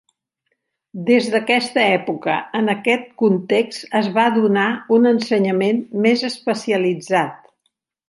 Des d'aquesta època en aquest context es va donar un ensenyament més especialitzat.